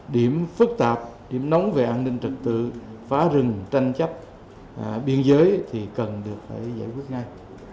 điểm phức tạp điểm nóng về an ninh trật tự phá rừng tranh chấp biên giới thì cần được phải giải quyết ngay